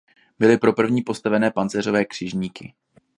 Byly to první postavené pancéřové křižníky.